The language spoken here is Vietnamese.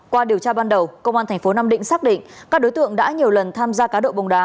qua điều tra ban đầu công an thành phố nam định xác định các đối tượng đã nhiều lần tham gia cáo độ bóng đá